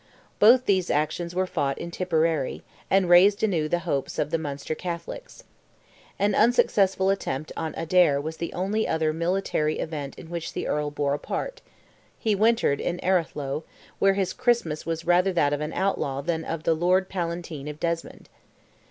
Both these actions were fought in Tipperary, and raised anew the hopes of the Munster Catholics. An unsuccessful attempt on Adare was the only other military event in which the Earl bore a part; he wintered in Aharlow, where his Christmas was rather that of an outlaw than of the Lord Palatine of Desmond.